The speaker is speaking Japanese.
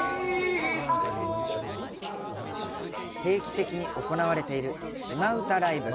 定期的に行われている島唄ライブ。